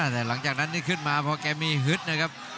แต่หลังจากนั้นนี่ขึ้นมาพอแกมีฮึดนะครับ